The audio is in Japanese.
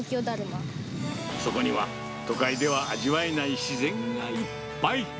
そこには、都会では味わえない自然がいっぱい。